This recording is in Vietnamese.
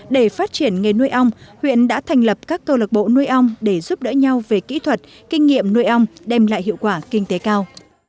để phát triển nghề nuôi ong huyện đã thành lập các câu lạc bộ nuôi ong để giúp đỡ nhau về kỹ thuật kinh nghiệm nuôi ong đem lại hiệu quả kinh tế cao